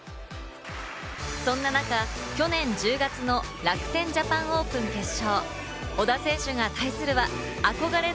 そんな中、去年１０月の楽天ジャパンオープン決勝。